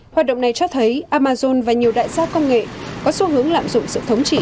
hoạt động này cho thấy amazon và nhiều đại gia công nghệ có xu hướng lạm dụng sự thống trị